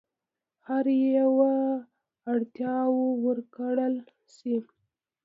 هر یوه اړتیاوو ورکړل شي.